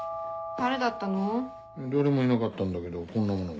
誰もいなかったんだけどこんなものが。